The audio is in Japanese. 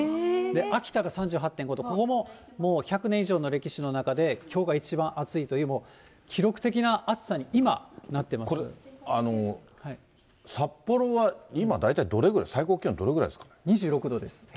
秋田が３８．５度、ここももう１００年以上の歴史の中で、きょうが一番暑いという、これ、札幌は今、大体どれぐらい、２６度です、平年が。